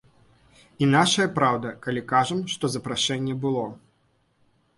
І нашая праўда, калі кажам, што запрашэнне было.